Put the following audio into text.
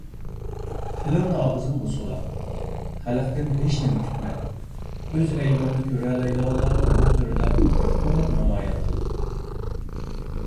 تىلىڭنى ئاغزىڭغا سولا، خەلقتىن ھېچنېمە كۈتمە، ئۆز ئەيىبىڭنى كۆرەلەيدىغانلارنىڭ روھلىرىدا بىر قۇۋۋەت نامايان قىل.